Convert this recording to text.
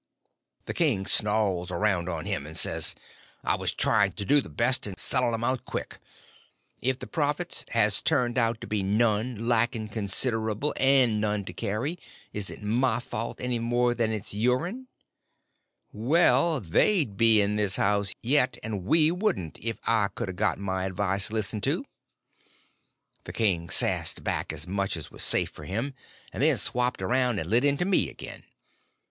v The king snarls around on him and says: "I was trying to do for the best in sellin' 'em out so quick. If the profits has turned out to be none, lackin' considable, and none to carry, is it my fault any more'n it's yourn?" "Well, they'd be in this house yet and we wouldn't if I could a got my advice listened to." The king sassed back as much as was safe for him, and then swapped around and lit into me again.